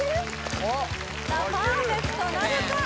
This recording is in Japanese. さあパーフェクトなるか？